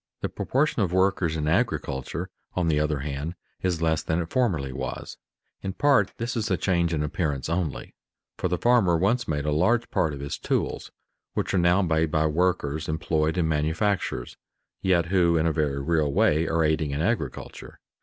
The proportion of workers in agriculture, on the other hand, is less than it formerly was. In part this is a change in appearance only, for the farmer once made a large part of his tools which are now made by workers employed in manufactures, yet who in a very real way are aiding in agriculture.